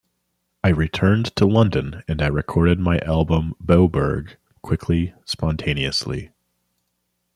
I returned to London and I recorded my album "Beaubourg" quickly, spontaneously.